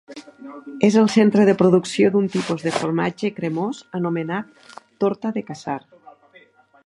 És el centre de producció d'un tipus de formatge cremós anomenat Torta de Casar.